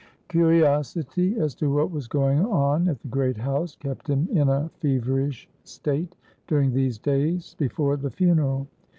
Curiosity as to what was going on at the great house kept him in a feverish state during these days before the funeral.